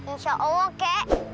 insya allah kek